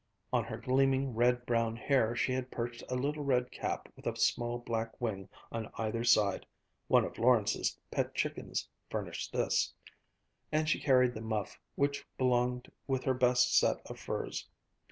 On her gleaming red brown hair she had perched a little red cap with a small black wing on either side (one of Lawrence's pet chickens furnished this), and she carried the muff which belonged with her best set of furs.